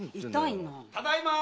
・ただいま！